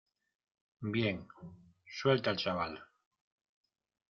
bien. ¡ suelte al chaval!